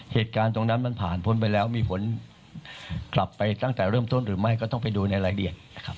เหตุการณ์ตรงนั้นมันผ่านพ้นไปแล้วมีผลกลับไปตั้งแต่เริ่มต้นหรือไม่ก็ต้องไปดูในรายละเอียดนะครับ